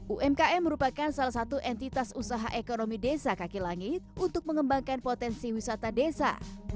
umkm merupakan salah satu entitas usaha ekonomi desa kaki langit untuk mengembangkan potensi wisata desa